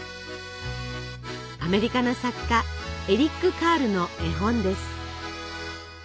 アメリカの作家エリック・カールの絵本です。